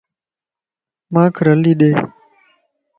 مانک رلي ڏي